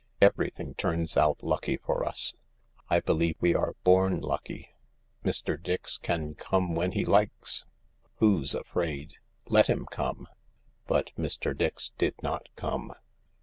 Everything turns out lucky for us. I believe we are born lucky. Mr. Dix can come when he likes 1 Who's afraid ? Let him come I " But Mr, Dix did not come.